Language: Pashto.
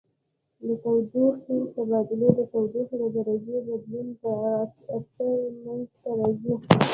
د تودوخې تبادل د تودوخې د درجې بدلون په اثر منځ ته راځي.